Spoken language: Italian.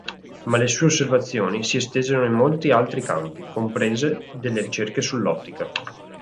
Ma le sue osservazioni si estesero in molti altri campi, comprese delle ricerche sull'ottica.